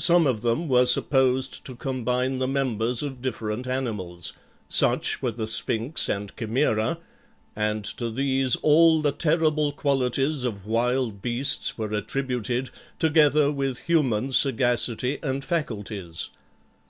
Some of them were supposed to combine the members of different animals; such were the Sphinx and Chimaera; and to these all the terrible qualities of wild beasts were attributed, together with human sagacity and faculties.